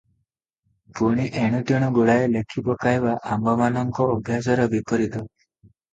ପୁଣି ଏଣୁ ତେଣୁ ଗୁଡ଼ାଏ ଲେଖିପକାଇବା ଆମ୍ଭମାନଙ୍କ ଅଭ୍ୟାସର ବୀପରୀତ ।